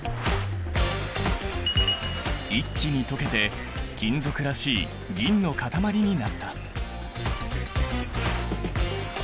一気に溶けて金属らしい銀の塊になった。